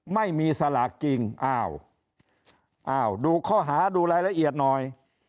ไม่มีสลากจริงอ้าวอ้าวดูข้อหาดูรายละเอียดหน่อย